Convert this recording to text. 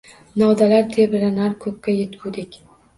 Novdalar tebranar ko’kka yetgudek.